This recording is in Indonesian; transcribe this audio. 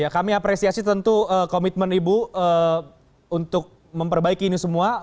kami apresiasi tentu komitmen ibu untuk memperbaiki ini semua